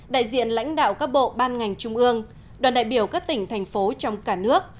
đại diện lãnh đạo các bộ ban ngành trung ương đoàn đại biểu các tỉnh thành phố trong cả nước